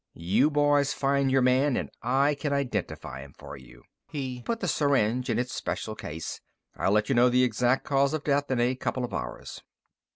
You boys find your man, and I can identify him for you." He put the syringe in its special case. "I'll let you know the exact cause of death in a couple of hours."